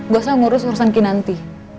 gak usah ngurus urusan kinanti